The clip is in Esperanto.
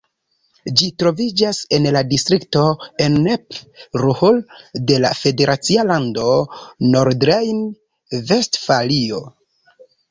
Ĝi troviĝas en la distrikto Ennepe-Ruhr de la federacia lando Nordrejn-Vestfalio.